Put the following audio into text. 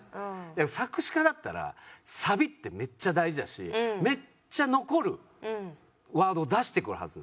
でも作詞家だったらサビってめっちゃ大事だしめっちゃ残るワードを出してくるはず。